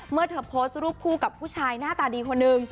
เมื่อเธอโพสต์รูปคู่กับผู้ชายหน้าตาดีคนหนึ่ง